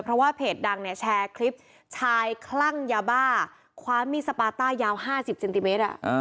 เพราะว่าเพจดังเนี่ยแชร์คลิปชายคลั่งยาบ้าคว้ามีดสปาต้ายาว๕๐เซนติเมตร